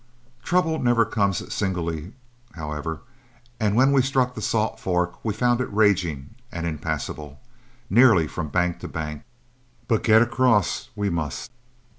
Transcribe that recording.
Trouble never comes singly, however, and when we struck the Salt Fork, we found it raging, and impassable nearly from bank to bank. But get across we must.